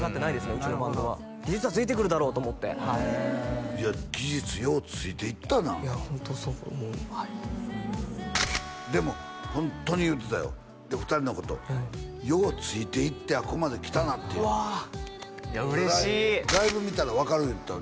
うちのバンドは技術はついてくるだろうと思ってへえいや技術ようついていったなホントそう思うはいでもホントに言うてたよ２人のことようついていってあっこまで来たなってうわ嬉しいライブ見たら分かる言うてたよ